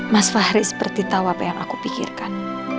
mas fahri seperti tahu apa yang aku pikirkan